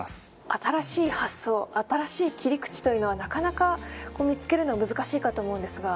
新しい発想新しい切り口というのはなかなか見つけるの難しいかと思うんですが。